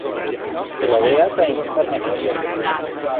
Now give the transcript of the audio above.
È laureata in farmacia.